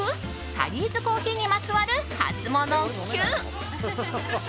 タリーズコーヒーにまつわるハツモノＱ！